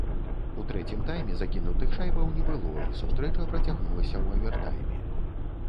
У трэцім тайме закінутых шайбаў не было, і сустрэча працягнулася ў авертайме.